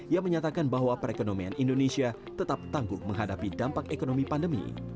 yang menyatakan bahwa perekonomian indonesia tetap tangguh menghadapi dampak ekonomi pandemi